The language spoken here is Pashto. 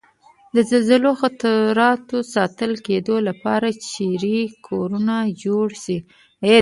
د زلزلوي خطراتو ساتل کېدو لپاره چېرې کورنه جوړ شي؟